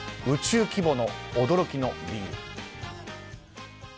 宇宙規模の驚きの理由。